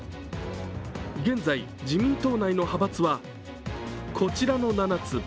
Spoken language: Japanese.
現在、自民党内の派閥はこちらの７つ。